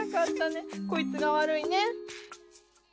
こいつが悪いね。